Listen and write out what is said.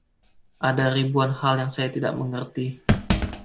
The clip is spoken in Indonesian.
Ada ribuan hal yang saya tidak mengerti.